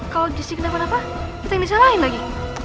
kalo jessi kena apa apa kita yang disalahin lagi